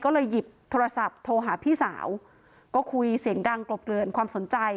ก็เลยหยิบโทรศัพท์โทรหาพี่สาวก็คุยเสียงดังกลบเกลือนความสนใจ